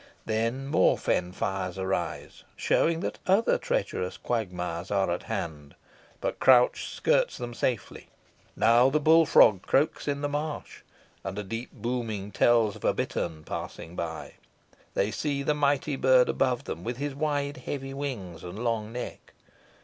Then more fen fires arise, showing that other treacherous quagmires are at hand; but Crouch skirts them safely. Now the bull frog croaks in the marsh, and a deep booming tells of a bittern passing by. They see the mighty bird above them, with his wide heavy wings and long neck.